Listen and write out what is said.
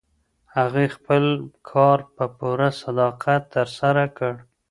هغې خپل کار په پوره صداقت ترسره کړ.